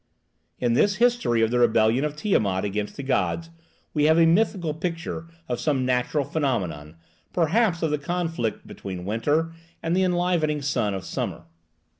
In this history of the rebellion of Tiamat against the gods we have a mythical picture of some natural phenomenon, perhaps of the conflict between the winter and the enlivening sun of summer.